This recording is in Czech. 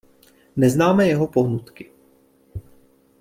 Neznáme jeho pohnutky.